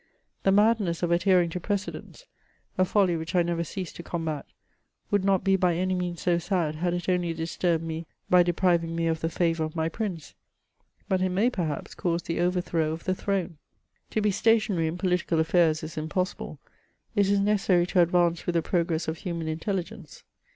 The madness of adhering to precedents — a folly which I never cease to combat — would not be by any means so sad had it only disturbed me by depriving me of the favour of my prince ; but it may, perhaps, cause the overthrow of the throne. To be stationary in political afiPairs is impossible — it is necessary to advance with the progress of human intelligence.